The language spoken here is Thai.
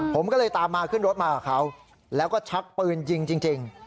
ผมก็เลยตามมาขึ้นรถมากับเขาแล้วก็ชักปืนยิงจริง